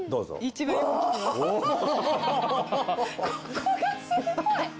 ここがすごい。